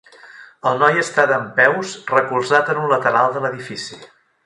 Un noi està dempeus recolzat en un lateral de l'edifici.